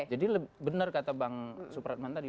jadi benar kata bang supratman tadi